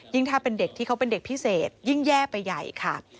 ถ้าเป็นเด็กที่เขาเป็นเด็กพิเศษยิ่งแย่ไปใหญ่ค่ะ